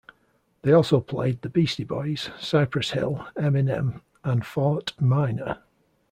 They also played the Beastie Boys, Cypress Hill, Eminem and Fort Minor.